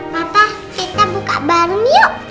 papa kita buka baru yuk